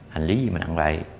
hành lý gì mà nặng vậy